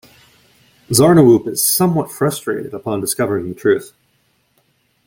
Zarniwoop is somewhat frustrated upon discovering the truth.